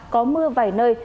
có mưa vài nơi